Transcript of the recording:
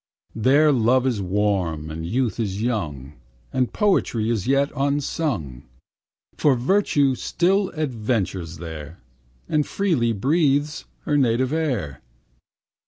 There love is warm, and youth is young, And poetry is yet unsung. For Virtue still adventures there, And freely breathes her native air.